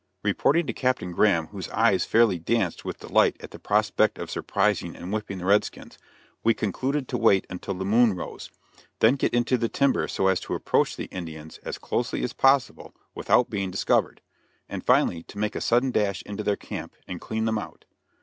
Reporting to Captain Graham, whose eyes fairly danced with delight at the prospect of surprising and whipping the redskins, we concluded to wait until the moon rose, then get into the timber so as to approach the Indians as closely as possible without being discovered, and finally to make a sudden dash into their camp, and clean them out.